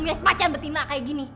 bukan mau ketemu pacan betina kayak gini